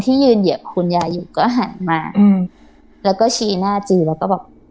ยืนเหยียบคุณยายอยู่ก็หันมาอืมแล้วก็ชี้หน้าจือแล้วก็แบบ